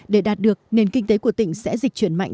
để đạt được nền kinh tế của tỉnh sẽ dịch chuyển mạnh